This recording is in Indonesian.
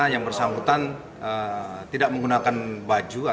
yang bersangkutan buka baju